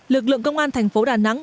lực lượng công an thành phố đà nẵng